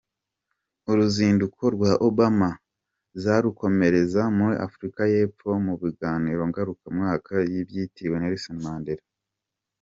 Uruzinduko rwa Obama azarukomereza muri Afurika y’Epfo mu biganiro ngarukamwaka byitiriwe Nelson Mandela.